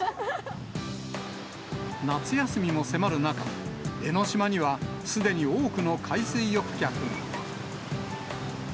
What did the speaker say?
夏休みも迫る中、江の島にはすでに多くの海水浴客が。